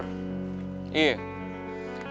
gue bisa bikin dia ngancurin geng warrior